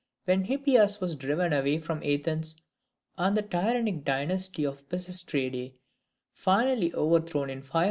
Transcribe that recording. When Hippias was driven away from Athens, and the tyrannic dynasty of the Pisistratidae finally overthrown in 510 B.